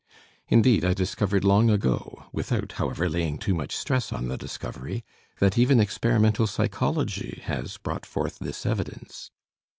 Indeed, I discovered long ago without, however, laying too much stress on the discovery that even experimental psychology has brought forth this evidence.